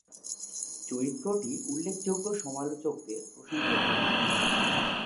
চরিত্রটি উল্লেখযোগ্য সমালোচকদের প্রশংসা পেয়েছে।